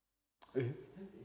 えっ？